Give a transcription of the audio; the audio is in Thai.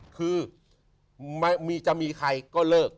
คือจะมีใครก็เลิก